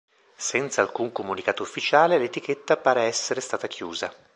Senza alcun comunicato ufficiale l'etichetta pare essere stata chiusa.